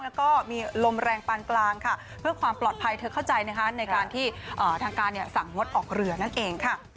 แล้วก็มีลมแรงปานกลางค่ะเพื่อความปลอดภัยเธอเข้าใจนะคะในการที่ทางการสั่งงดออกเรือนั่นเองค่ะ